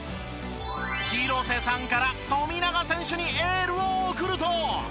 広瀬さんから富永選手にエールを送ると。